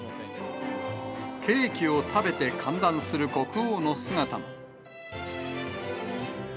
ケーキを食べて歓談する国王の姿も。